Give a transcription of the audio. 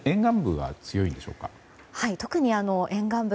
はい、特に沿岸部。